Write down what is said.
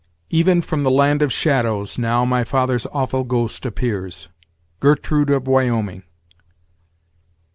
"Even from the land of shadows, now My father's awful ghost appears." Gertrude Of Wyoming.